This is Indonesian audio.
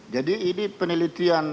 jadi ini penelitian